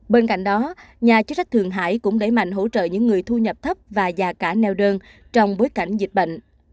bên cạnh đó nhà chức trách thường hải cũng đẩy mạnh hỗ trợ những người thu nhập thấp và già cả neo đơn trong bối cảnh dịch bệnh